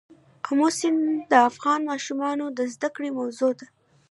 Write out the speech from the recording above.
آمو سیند د افغان ماشومانو د زده کړې موضوع ده.